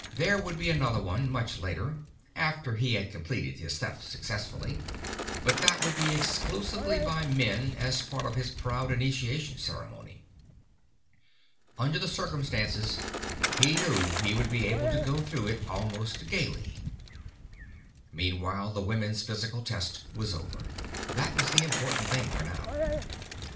There would be another one, much later, after he had completed his theft successfully; but that would be exclusively by men as part of his proud initiation ceremony. Under the circumstances, he knew he would be able to go through it almost gaily. Meanwhile, the women's physical test was over. That was the important thing for now.